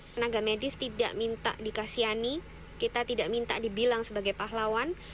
tenaga medis tidak minta dikasihani kita tidak minta dibilang sebagai pahlawan